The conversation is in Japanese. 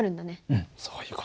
うんそういう事。